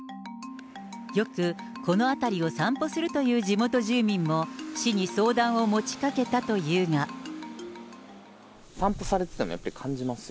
よくこの辺りを散歩するという地元住民も市に相談を持ち掛け散歩されてても、感じますか？